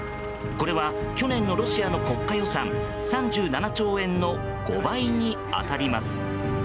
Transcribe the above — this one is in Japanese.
これは去年のロシアの国家予算３７兆円の５倍に当たります。